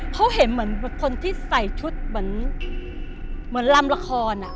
เขาเห็นเหมือนคนที่ใส่ชุดเหมือนลำละคร